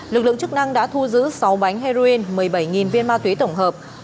lực lượng chức năng đã thu giữ sáu bánh heroin một mươi bảy viên ma túy tổng hợp